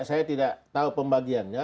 saya tidak tahu pembagiannya